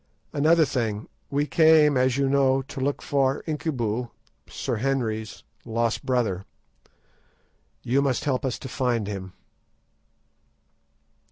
Another thing: we came, as you know, to look for Incubu's (Sir Henry's) lost brother. You must help us to find him."